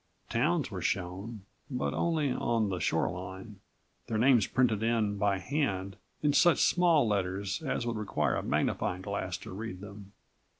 Towns were shown, but only on the shoreline, their names printed in by hand in such small letters as would require a magnifying glass to read them.